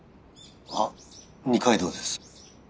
あっ二階堂です。